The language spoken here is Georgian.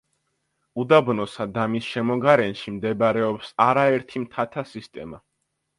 უდაბნოსა და მის შემოგარენში მდებარეობს არაერთი მთათა სისტემა.